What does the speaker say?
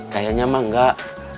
kayaknya mah enggak